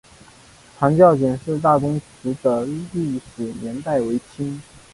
长教简氏大宗祠的历史年代为清。